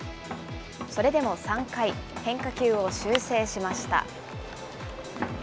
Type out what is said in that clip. それでも３回、変化球を修正しました。